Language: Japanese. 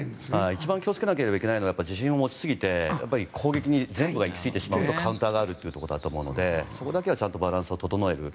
一番気を付けなければいけないのは自信を持ちすぎて攻撃に全部が行き過ぎてしまうとカウンターがあるということだと思うのでバランスを整える。